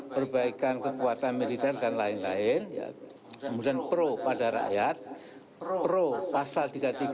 perbaikan kekuatan militer dan lain lain kemudian pro pada rakyat pro pasal tiga puluh tiga undang undang seribu sembilan ratus sembilan puluh lima